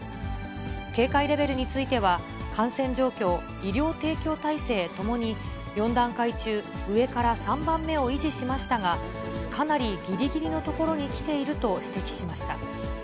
警戒レベルについては、感染状況、医療提供体制ともに４段階中、上から３番目を維持しましたが、かなりぎりぎりのところに来ていると指摘しました。